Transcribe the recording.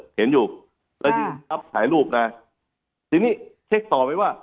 เห็นอยู่น่ะสัปดาห์สายรูปนาสิ่งนี้เช็คต่อไว้ว่า